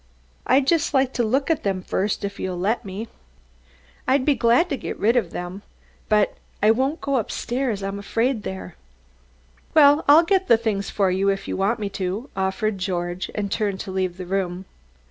"I'd just like to look at them first, if you'll let me." "I'd be glad to get rid of them. But I won't go upstairs, I'm afraid there." "Well, I'll get the things for you if you want me to," offered George and turned to leave the room.